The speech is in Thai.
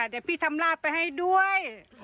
เดี๋ยวพี่ทำลาดไปให้ด้วย